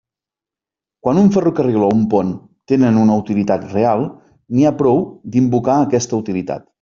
Quan un ferrocarril o un pont tenen una utilitat real, n'hi ha prou d'invocar aquesta utilitat.